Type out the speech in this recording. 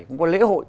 cũng có lễ hội